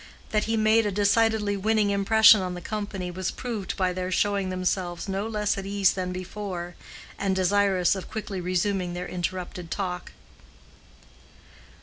That he made a decidedly winning impression on the company was proved by their showing themselves no less at ease than before, and desirous of quickly resuming their interrupted talk.